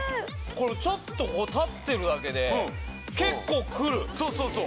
これちょっとここ立ってるだけで結構くるそうそうそう